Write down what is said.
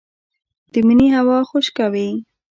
د مني هوا خشکه وي